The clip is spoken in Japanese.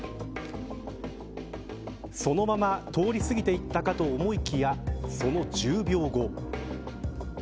そのまま通り過ぎていったかと思いきやその１０秒後。